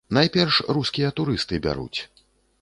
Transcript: Найперш, рускія турысты бяруць.